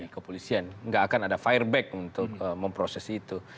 kepolisian nggak akan ada fireback untuk memproses itu